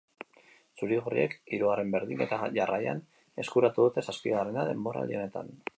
Zuri-gorriek hirugarren berdinketa jarraian eskuratu dute, zazpigarrena denboraldi honetan.